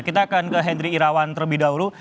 kita akan ke hendry irawan terlebih dahulu